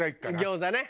餃子ね。